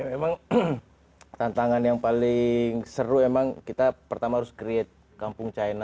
memang tantangan yang paling seru emang kita pertama harus create kampung china